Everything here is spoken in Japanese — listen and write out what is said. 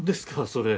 それ。